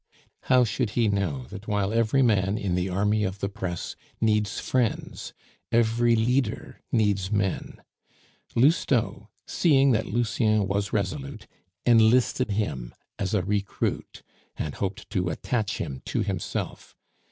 How should he know that while every man in the army of the press needs friends, every leader needs men. Lousteau, seeing that Lucien was resolute, enlisted him as a recruit, and hoped to attach him to himself.